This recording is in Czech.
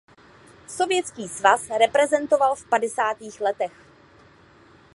Sovětský svaz reprezentoval v padesátých letech.